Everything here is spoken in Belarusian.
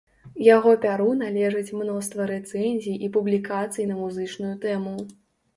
Яго пяру належыць мноства рэцэнзій і публікацый на музычную тэму.